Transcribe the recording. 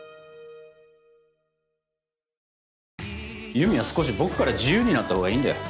優美は少し僕から自由になったほうがいいんだよ。